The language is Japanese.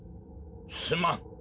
すまん。